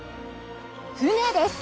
船です！